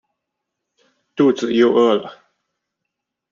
肚子又饿了